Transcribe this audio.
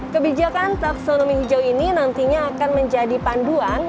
kebijakan taksonomi hijau ini nantinya akan menjadi panduan